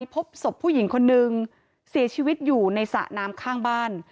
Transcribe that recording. พบศพผู้หญิงคนนึงเสียชีวิตอยู่ในสระน้ำข้างบ้าน